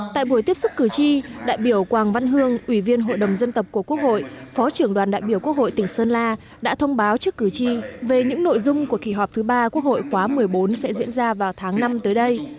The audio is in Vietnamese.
tại buổi tiếp xúc cử tri đại biểu quang văn hương ủy viên hội đồng dân tộc của quốc hội phó trưởng đoàn đại biểu quốc hội tỉnh sơn la đã thông báo trước cử tri về những nội dung của kỳ họp thứ ba quốc hội khóa một mươi bốn sẽ diễn ra vào tháng năm tới đây